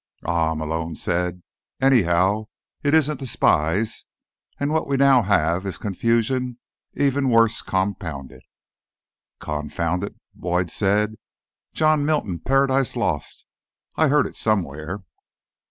"Ah," Malone said. "Anyhow, it isn't the spies. And what we now have is confusion even worse compounded." "Confounded," Boyd said. "John Milton. Paradise Lost, I heard it somewhere."